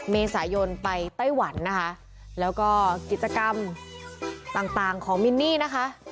เมษายนไปไต้หวันนะคะแล้วก็กิจกรรมต่างต่างของมินนี่นะคะ